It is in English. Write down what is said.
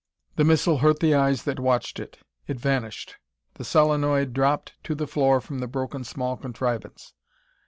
The missile hurt the eyes that watched it. It vanished. The solenoid dropped to the floor from the broken small contrivance.